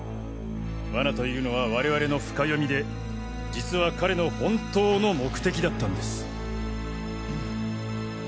罠というのは我々の深読みで実は彼の本当の目的だったんです。